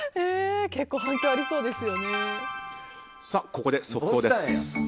ここで速報です。